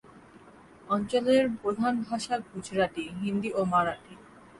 অঞ্চলের প্রধান ভাষা গুজরাটি, হিন্দি ও মারাঠি।